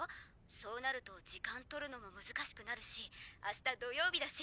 そうなると時間とるのも難しくなるし明日土曜日だし